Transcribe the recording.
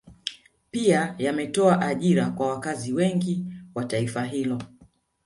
Pia yametoa ajira kwa wakazi wengi wa taifa hilo